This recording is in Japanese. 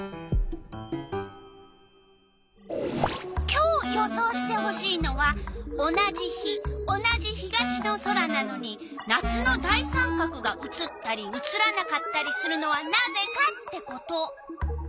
今日予想してほしいのは「同じ日同じ東の空なのに夏の大三角が写ったり写らなかったりするのはなぜか」ってこと。